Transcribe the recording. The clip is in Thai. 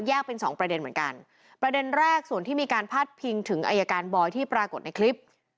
เป็นสองประเด็นเหมือนกันประเด็นแรกส่วนที่มีการพาดพิงถึงอายการบอยที่ปรากฏในคลิป